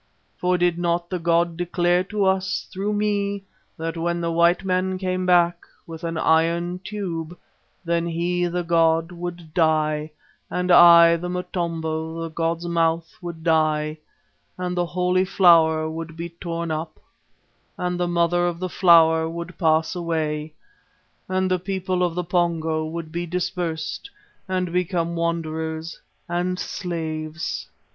For did not the god declare to us through me that when the white men came back with an iron tube, then he, the god, would die, and I, the Motombo, the god's Mouth, would die, and the Holy Flower would be torn up, and the Mother of the Flower would pass away, and the people of the Pongo would be dispersed and become wanderers and slaves?